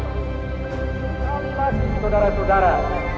sekali lagi saudara saudara